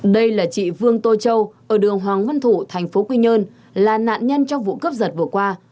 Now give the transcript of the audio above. đây là chị vương tô châu ở đường hoàng văn thủ thành phố quy nhơn là nạn nhân trong vụ cướp giật vừa qua